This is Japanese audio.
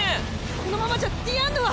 このままじゃディアンヌは。